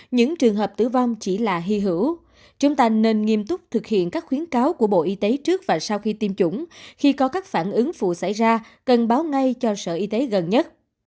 những trường hợp tử vong chỉ là hy hữu chúng ta nên nghiêm túc thực hiện các khuyến cáo của bộ y tế trước và sau khi tiêm chủng khi có các phản ứng phụ xảy ra cần báo ngay cho sở y tế gần nhất